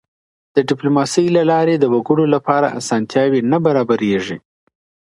د ډیپلوماسۍ له لاري د وګړو لپاره اسانتیاوې نه برابرېږي.